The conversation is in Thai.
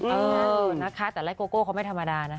เออนะคะแต่ไล่โกโก้เขาไม่ธรรมดานะ